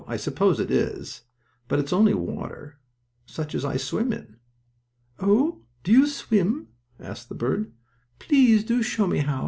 "I suppose it is. But it's only water, such as I swim in." "Oh, do you swim?" asked the bird. "Do please show me how.